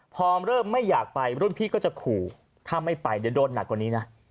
พอเริ่มไม่อยากไปรุ่นพี่ก็จะขู่ถ้าไม่ไปเดี๋ยวโดนหนักกว่านี้นะ